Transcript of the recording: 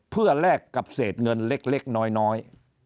เพื่อแลกกับเศษเงินเล็กน้อย